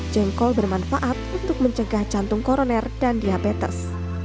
jengkol bermanfaat untuk mencegah jantung koroner dan diabetes